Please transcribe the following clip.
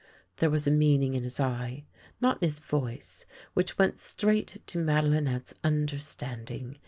There was a meaning in his eye — not in his voice — which went straight to Madelinette's understanding.